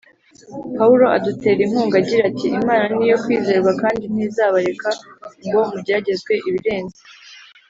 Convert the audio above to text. Pawulo adutera inkunga agira ati Imana ni iyo kwizerwa kandi ntizabareka ngo mugeragezwe ibirenze